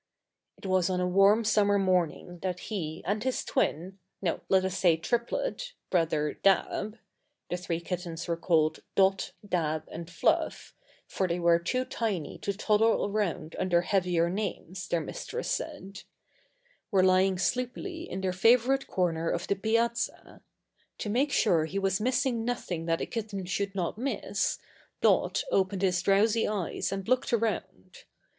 It was on a warm summer morning that he and his twin no, let us say triplet brother Dab (the three kittens were called Dot, Dab and Fluff, for they were too tiny to toddle around under heavier names, their mistress said) were lying sleepily in their favorite corner of the piazza. To make sure he was missing nothing that a kitten should not miss, Dot opened his drowsy eyes and looked around.